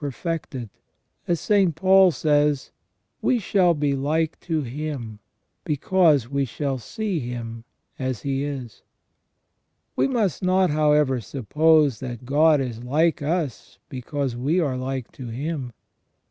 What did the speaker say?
n perfected ; as St. Paul says :" We shall be like to him, because we shall see him as he is ". We must not however suppose that God is like us because we are like to Him.